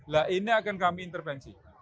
nah ini akan kami intervensi